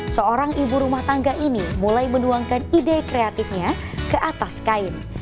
seorang ibu rumah tangga ini mulai menuangkan ide kreatifnya ke atas kain